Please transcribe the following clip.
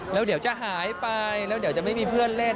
แล้วเดี๋ยวจะหายไปแล้วเดี๋ยวจะไม่มีเพื่อนเล่น